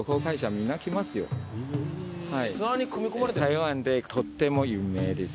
台湾でとっても有名です。